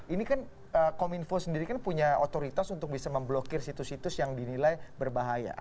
ini kan kominfo sendiri kan punya otoritas untuk bisa memblokir situs situs yang dinilai berbahaya